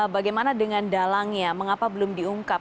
bagaimana dengan dalangnya mengapa belum diungkap